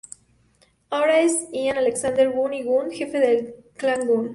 Ahora es Iain Alexander Gunn de Gunn, Jefe del Clan Gunn.